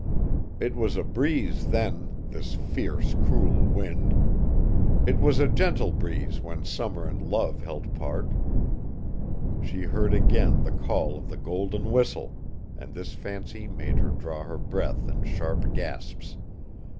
It was a breeze then, this fierce, cruel wind. It was a gentle breeze when summer and love held part! She heard again the call of the golden whistle; and this fancy made her draw her breath in sharp gasps.